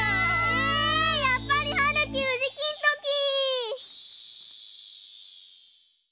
やっぱりはるきうじきんとき！